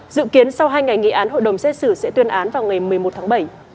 dự kiến sau hai ngày nghị án hội đồng xét xử sẽ tuyên án vào ngày một mươi một tháng bảy